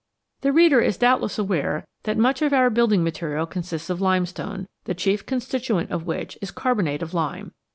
The reader is doubtless aware that much of our building material consists of limestone, the chief con stituent of which is carbonate of lime.